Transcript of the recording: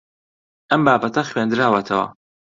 ئەم بابەتە خوێندراوەتەوە.